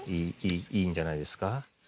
いいんじゃないですか？